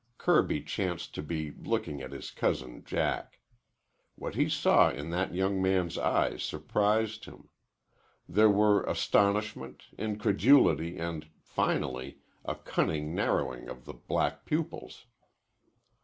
Kirby chanced to be looking at his cousin Jack. What he saw in that young man's eyes surprised him. There were astonishment, incredulity, and finally a cunning narrowing of the black pupils.